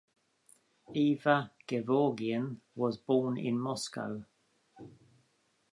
Eva Gevorgyan was born in Moscow.